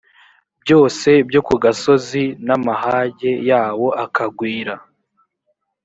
byose byo ku gasozi n amahage yawo akagwira